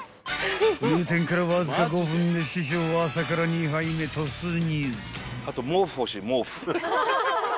［入店からわずか５分で師匠は朝から２杯目突入］